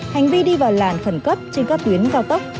hành vi đi vào làn khẩn cấp trên các tuyến cao tốc